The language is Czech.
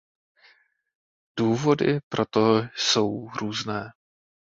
Důvody proto jsou různé.